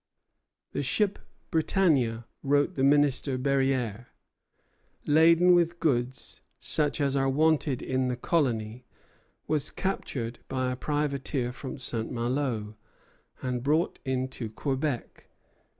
"The ship 'Britannia,'" wrote the Minister, Berryer, "laden with goods such as are wanted in the colony, was captured by a privateer from St. Malo, and brought into Quebec.